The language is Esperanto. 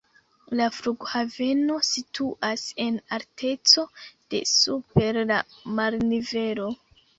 La flughaveno situas en alteco de super la marnivelo.